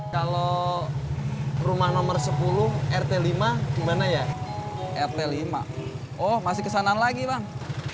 kalau rumah nomor sepuluh rt lima gimana ya rt lima oh masih kesana lagi bang